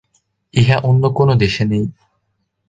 ইহা অন্য কোনও দেশে নেই।